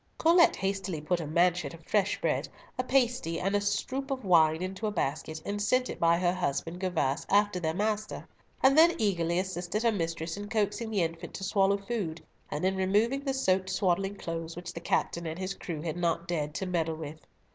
Colet hastily put a manchet of fresh bread, a pasty, and a stoup of wine into a basket, and sent it by her husband, Gervas, after their master; and then eagerly assisted her mistress in coaxing the infant to swallow food, and in removing the soaked swaddling clothes which the captain and his crew had not dared to meddle with.